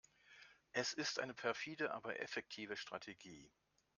Es ist eine perfide, aber effektive Strategie.